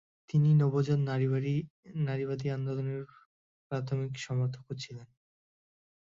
তিনি নবজাত নারীবাদী আন্দোলনের প্রাথমিক সমর্থকও ছিলেন।